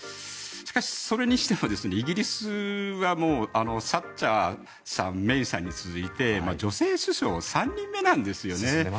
しかし、それにしてもイギリスはサッチャーさんメイさんに続いて女性首相３人目なんですよね。